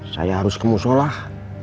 saya harus kemusyolah